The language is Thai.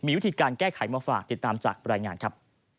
วิธีการแก้ไขมาฝากติดตามจากรายงานครับ